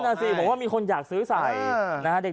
นั่นสิบอกว่ามีคนอยากซื้อใส่นะฮะ